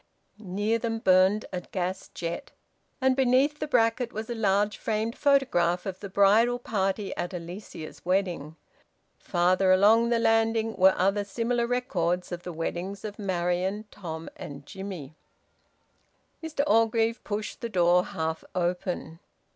Near them burned a gas jet, and beneath the bracket was a large framed photograph of the bridal party at Alicia's wedding. Farther along the landing were other similar records of the weddings of Marion, Tom, and Jimmie. Mr Orgreave pushed the door half open.